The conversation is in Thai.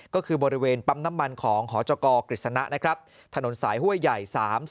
ก็คือบริเวณปั๊มน้ำมันของหจกฤษณะนะครับถนนสายห้วยใหญ่๓๐